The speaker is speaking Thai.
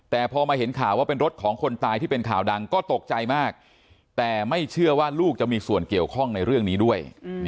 แต่พอมาเห็นข่าวว่าเป็นรถของคนตายที่เป็นข่าวดังก็ตกใจมากแต่ไม่เชื่อว่าลูกจะมีส่วนเกี่ยวข้องในเรื่องนี้ด้วย